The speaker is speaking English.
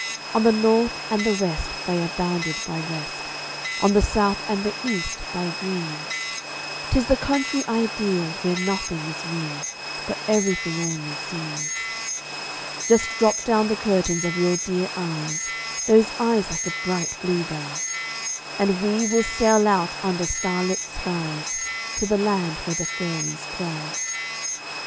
On the North and the West they are bounded by rest, On the South and the East, by dreams; 'Tis the country ideal, where nothing is real, But everything only seems. Just drop down the curtains of your dear eyes Those eyes like a bright bluebell, And we will sail out under starlit skies, To the land where the fairies dwell.